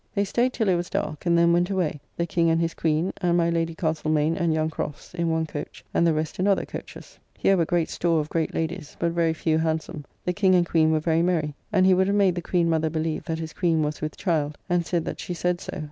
They staid till it was dark, and then went away; the King and his Queen, and my Lady Castlemaine and young Crofts, in one coach and the rest in other, coaches. Here were great store of great ladies, but very few handsome. The King and Queen were very merry; and he would have made the Queen Mother believe that his Queen was with child, and said that she said so.